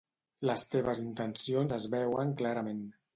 Les teves intencions es veuen clarament.